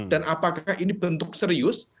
dan apakah ini bentuk serius